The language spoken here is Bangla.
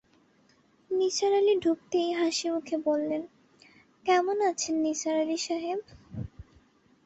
নিসার আলি ঢুকতেই হাসিমুখে বললেন, কেমন আছেন নিসার আলি সাহেব?